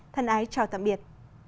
thân ái chào tạm biệt